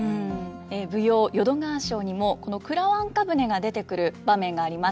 舞踊「淀川抄」にもこのくらわんか舟が出てくる場面があります。